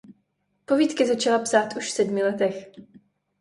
Povídky začala psát už v sedmi letech.